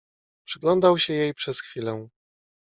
"Przyglądał się jej przez chwilę."